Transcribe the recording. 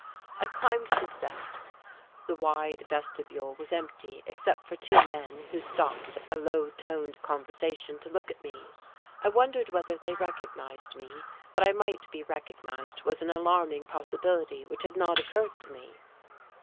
I climbed the steps. The wide vestibule was empty except for two men who stopped a low toned conversation to look at me. I wondered whether they recognized me; that I might be recognized was an alarming possibility which had not occurred to me.